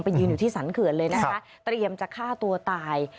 ยืนอยู่ที่สรรเขื่อนเลยนะคะเตรียมจะฆ่าตัวตาย